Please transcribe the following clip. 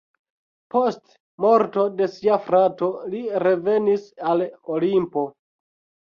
Post morto de sia frato li revenis al Olimpo.